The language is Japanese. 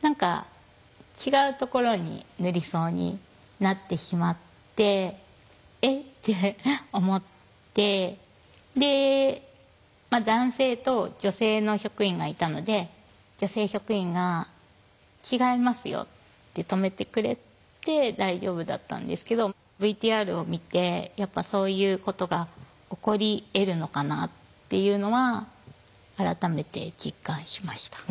何か違うところに塗りそうになってしまって「え？」って思ってまあ男性と女性の職員がいたので女性職員が「違いますよ」って止めてくれて大丈夫だったんですけどＶＴＲを見てやっぱそういうことが起こりえるのかなっていうのは改めて実感しました。